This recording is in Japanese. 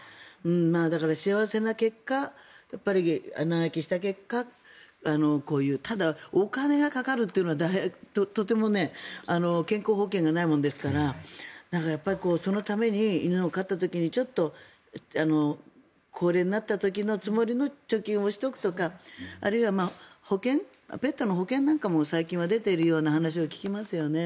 だから、幸せな結果長生きした結果、こういうただ、お金がかかるというのは健康保険がないものですからそのために、犬を飼った時にちょっと高齢になった時のつもりの貯金をしておくとかあるいはペットの保険なんかも最近は出ている話も聞きますよね。